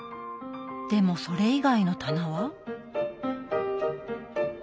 でもそれ以外の棚は。